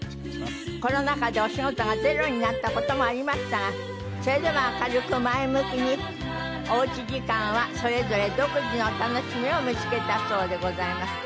コロナ禍でお仕事がゼロになった事もありましたがそれでも明るく前向きにお家時間はそれぞれ独自の楽しみを見つけたそうでございます。